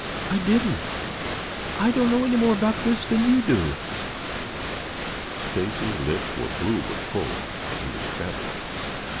"I didn't. I don't know any more about it than you do." Stacy's lips were blue with cold and he was chattering.